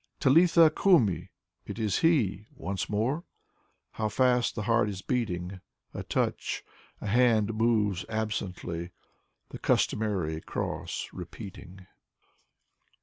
"Talithakumi":IsitHe Once more? How fast the heart is beating A touch: a hand moves absently The customary cross repeating.